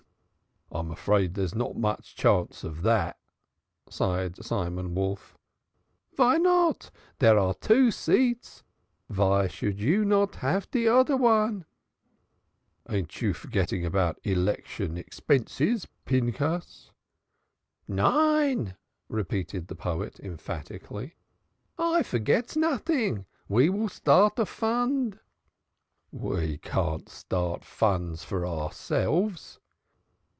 "I'm afraid there's not much chance of that," sighed Simon Wolf. "Vy not? Dere are two seats. Vy should you not haf de Oder?" "Ain't you forgetting about election expenses, Pinchas?" "Nein!" repeated the poet emphatically. "I forgets noding. Ve vill start a fund." "We can't start funds for ourselves."